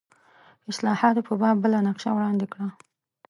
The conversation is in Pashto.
اصلاحاتو په باب بله نقشه وړاندې کړه.